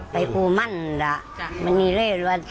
หลุดไข่ล่ายอย่างหรอก